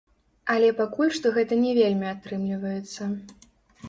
Але пакуль што гэта не вельмі атрымліваецца.